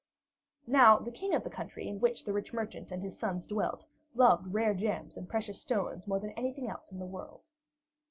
Now the King of the country in which the rich merchant and his son dwelt loved rare gems and precious stones more than anything else in the world.